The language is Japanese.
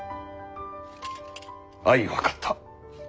相分かった。